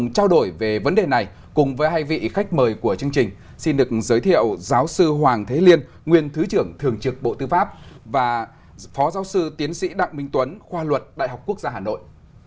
trao đổi về vấn đề này cùng với hai vị khách mời của chương trình xin được giới thiệu giáo sư hoàng thế liên nguyên thứ trưởng thường trực bộ tư pháp và phó giáo sư tiến sĩ đặng minh tuấn khoa luật đại học quốc gia hà nội